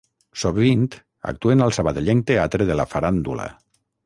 Sovint actuen al sabadellenc Teatre de la Faràndula.